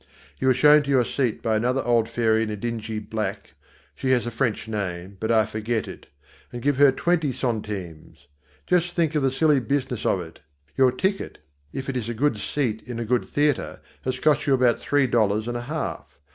You are shown to your seat by another old fairy in dingy black (she has a French name, but I forget it) and give her twenty centimes. Just think of the silly business of it. Your ticket, if it is a good seat in a good theatre, has cost you about three dollars and a half.